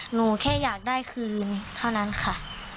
หนูแค่อยากได้คืนเท่านั้นค่ะ